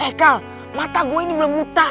eh kal mata gue ini belum buta